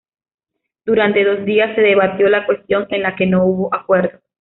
Durante dos días se debatió la cuestión, en la que no hubo acuerdo.